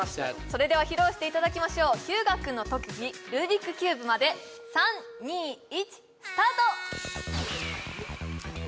それでは披露していただきましょう日向君の特技ルービックキューブまで３・２・１スタート！